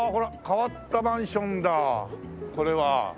変わったマンションだこれは。